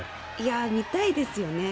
見たいですよね。